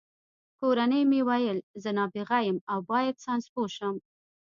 کورنۍ مې ویل زه نابغه یم او باید ساینسپوه شم